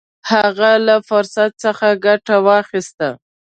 هغه له فرصت څخه ګټه واخیسته.